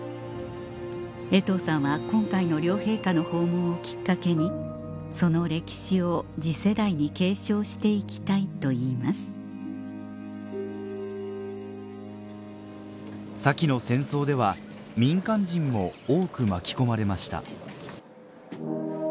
衛藤さんは今回の両陛下の訪問をきっかけにその歴史を次世代に継承していきたいと言いますさきの戦争では民間人も多く巻き込まれました